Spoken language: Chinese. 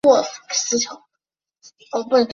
台湾台北电影奖最佳编剧获奖影片列表如下。